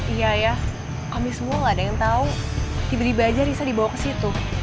iya ya kami semua gak ada yang tahu tiba tiba aja risa dibawa ke situ